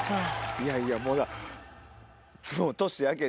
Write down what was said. いやいやもう。